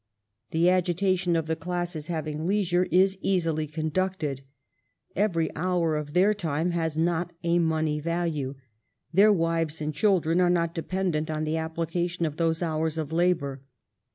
The agitation of the classes having leisure is easily conducted. Every hour of their time has not a money value ; their wives and children are not dependent on the application of those hours of labor.